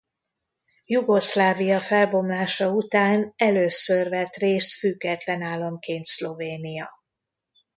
Jugoszlávia felbomlása után először vett részt független államként Szlovénia.